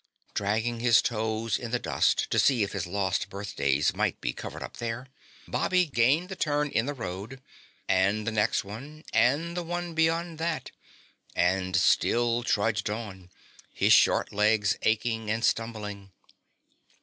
Dragging his toes in the dust to see if his lost birthdays might be covered up there, Bobby gained the turn in the road, and the next one, and the one beyond that, and still trudged on, his short legs aching and stumbling.